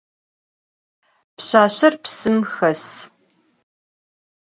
Pşsaşser psım xes.